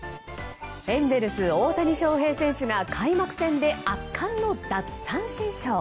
エンゼルス、大谷翔平選手が開幕戦で圧巻の奪三振ショー。